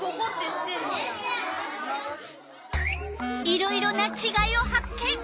いろいろなちがいを発見！